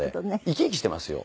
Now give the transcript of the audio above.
生き生きしていますよ。